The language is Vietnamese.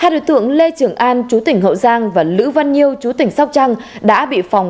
hai đối tượng lê trường an chú tỉnh hậu giang và lữ văn nhiêu chú tỉnh sóc trăng đã bị phòng